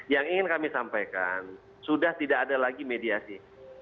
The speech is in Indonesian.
yang ingin kami sampaikan sudah tidak ada lagi mediasi